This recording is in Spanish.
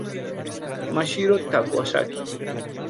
Masahiro Takahashi